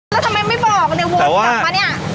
แล้วทำไมไม่บอกวันกลับมาเนี่ย